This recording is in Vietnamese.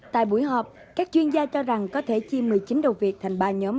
tại buổi họp các chuyên gia cho rằng có thể chi một mươi chín đầu việc thành ba nhóm